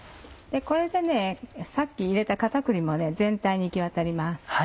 これでさっき入れた片栗粉も全体に行きわたります。